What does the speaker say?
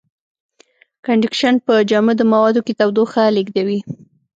کنډکشن په جامدو موادو کې تودوخه لېږدوي.